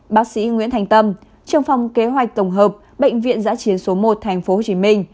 bác sĩ nguyễn thành tâm trường phòng kế hoạch tổng hợp bệnh viện giã chiến số một tp hcm